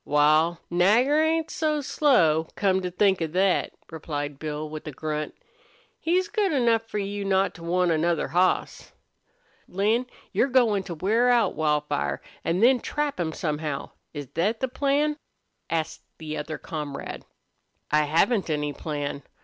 "Wal, Nagger ain't so slow, come to think of thet," replied Bill, with a grunt. "He's good enough for you not to want another hoss." "Lin, you're goin' to wear out Wildfire, an' then trap him somehow is thet the plan?" asked the other comrade. "I haven't any plan.